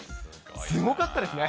すごかったですね。